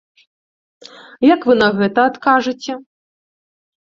Як вы на гэта адкажаце?